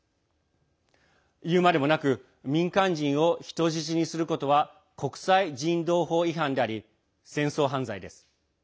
言うまでもなく民間人を人質にすることは国際人道法違反であり戦争犯罪です。